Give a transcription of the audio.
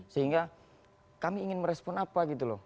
sehingga kami ingin merespon apa gitu loh